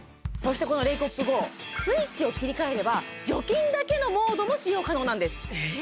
そしてこのレイコップＧＯスイッチを切り替えれば除菌だけのモードも使用可能なんです